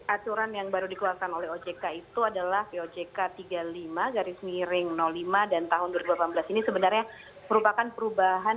aturan yang baru dikeluarkan oleh ojk itu adalah ojk tiga puluh lima garis miring lima dan tahun dua ribu delapan belas ini sebenarnya merupakan perubahan